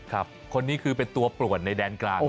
คนนี้คือเป็นตัวปลวดในแดนกลาง